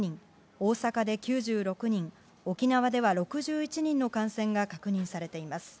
大阪で９６人、沖縄では６１人の感染が確認されています。